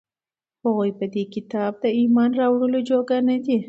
هغوى په دې كتاب د ايمان راوړلو جوگه نه دي،